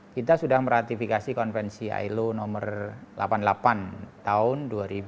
kita sudah meratifikasi konvensi ilo nomor delapan puluh delapan tahun dua ribu dua